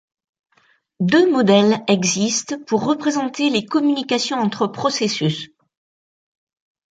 Deux modèles existent pour représenter les communications entre processus.